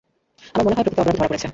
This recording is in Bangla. আমার মনে হয় প্রকৃত অপরাধী ধরা পড়েছে।